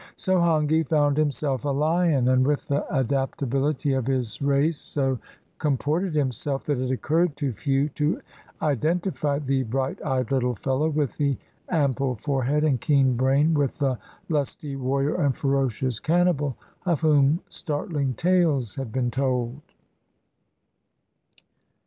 So Hongi found him self a "lion," and with the adaptabiHty of his race so comported himself that it occurred to few to identify the bright eyed Httle fellow with the ample forehead and keen brain with the lusty warrior and ferocious can nibal of whom startling tales had been told.